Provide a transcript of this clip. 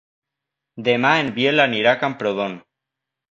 Demà en Biel anirà a Camprodon.